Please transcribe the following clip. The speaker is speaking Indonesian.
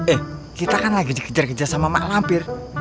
eh kita kan lagi dikejar kejar sama mak lampir